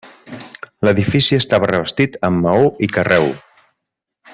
L'edifici està revestit amb maó i carreu.